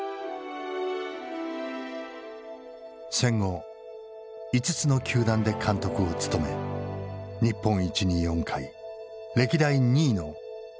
戦後５つの球団で監督を務め日本一に４回歴代２位の１，６８７勝を挙げた。